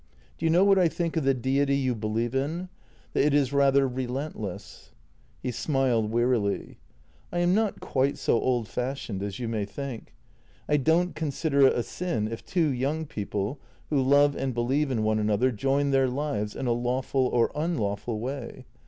Do you know what I think of the deity you believe in? — that it is rather relentless." He smiled wearily. " I am not quite so old fashioned as you may think. I don't consider it a sin if two young people, who love and believe in one another, join their lives in a lawful or unlawful way.